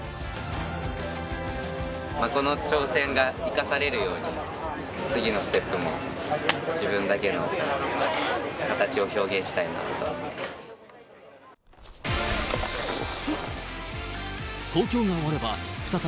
この挑戦が生かされるように、次のステップも自分だけの形を表現したいなと思ってます。